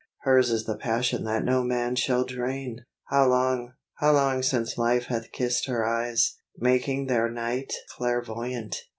Hers is the passion that no man shall drain. How long, how long since Life hath kissed her eyes, Making their night clairvoyant!